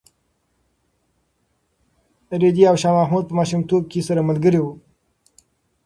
رېدي او شاه محمود په ماشومتوب کې سره ملګري وو.